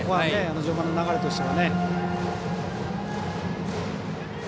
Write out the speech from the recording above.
序盤の流れとしては。